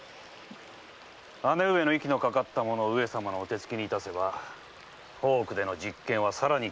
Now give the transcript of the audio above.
姉上の息のかかった者を上様のお手つきに致せば大奥での実権はさらに強固になるものを。